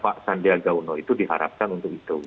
pak sandiaga uno itu diharapkan untuk itu